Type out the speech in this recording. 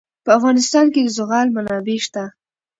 په افغانستان کې د زغال منابع شته.